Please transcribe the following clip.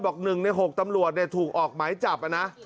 บอก๑ใน๖ตำรวจเนี่ยถูกออกไหมจับอ่ะนะ